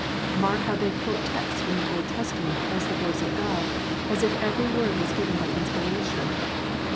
Mark how they quote texts from the Old Testament, as the voice of God, as if every word was given by inspiration.